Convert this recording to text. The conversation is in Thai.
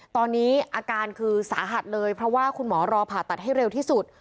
ตอนนี้อาการคือสาหัสเลยเพราะว่าคุณหมอรอผ่าตัดให้เร็วที่สุด